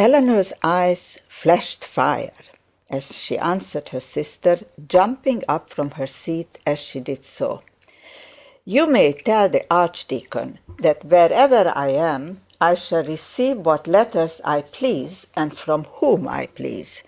Eleanor's eyes flashed fire as she answered her sister, jumping up from her seat as she did so. 'You may tell the archdeacon that wherever I am I shall receive what letters I please and from whom I please.